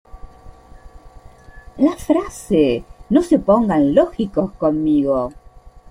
La frase "¡No se pongan lógicos conmigo!